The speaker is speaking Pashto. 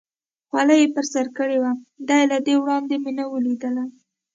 خولۍ یې پر سر کړې وه، دی له دې وړاندې مې نه و لیدلی.